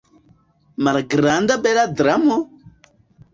Malgranda bela dramo?